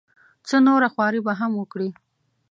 څه نوره خواري به هم وکړي.